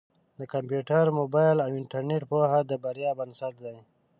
د کمپیوټر، مبایل او انټرنېټ پوهه د بریا بنسټ دی.